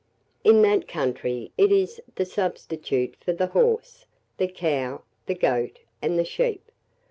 In that country it is the substitute for the horse, the cow, the goat, and the sheep.